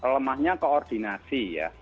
lemahnya koordinasi ya